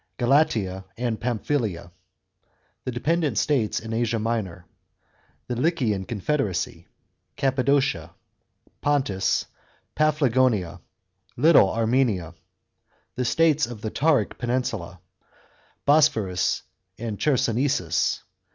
§ 4. GALATIA and PAMPHYLIA. § 5. The dependent states in Asia Minor ; the LYCIAN CONFEDERACY ; CAPPA DOCIA; PONTUS; PAPHLAGONIA; LITTLE ARMENIA. The states of the Tauric peninsula ; BOSPORUS and CHERSONESUS.